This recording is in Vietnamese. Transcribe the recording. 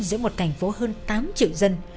giữa một thành phố hơn tám triệu dân